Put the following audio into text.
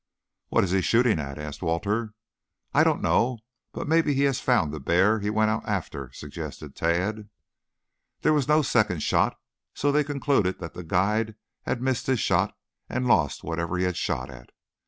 "What is he shooting at?" asked Walter. "I don't know, but maybe he has found the bear he went out after," suggested Tad. There was no second shot, so they concluded that the guide had missed his shot and lost whatever he had shot at.